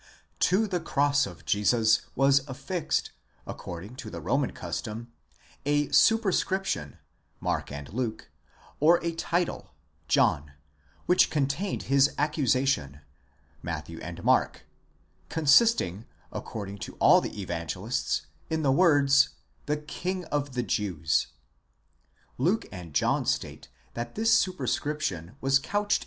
*§ To the cross of Jesus was affixed, according to the Roman custom,*® a. superscription ἐπιγραφὴ (Mark and Luke), or a #i#/e τίτλος (John) which con tained Ais accusation τὴν αἰτίαν αὐτοῦ (Matthew and Mark), consisting according to all the Evangelists in the words: ὁ βασιλεὺς τῶν ᾿Ιουδαίων, the King of the Jews. Luke and John state that this superscription was couched.